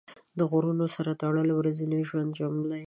د غرونو سره تړلې ورځني ژوند جملې